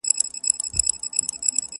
د پیښي جديت د طنز تر شا کمزوری کيږي